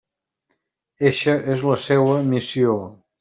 Eixa és la seua missió.